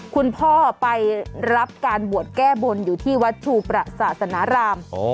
คุณพ่อไปรับการบวชแก้บนอยู่ที่วัดชูประศาสนาราม